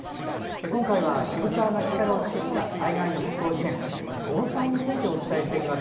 今回は渋沢が力を尽くした災害の復興支援や防災についてです。